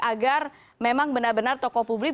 agar memang benar benar tokoh publik